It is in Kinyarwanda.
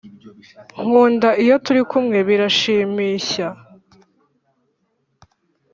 Nkunda iyo turi kumwe birashimishya